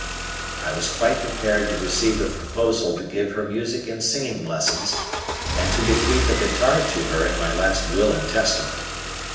I was quite prepared to receive a proposal to give her music and singing lessons, and to bequeath a guitar to her in my last will and testament.